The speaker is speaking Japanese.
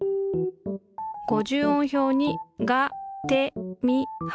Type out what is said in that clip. ５０音表に「が」「て」「み」「は」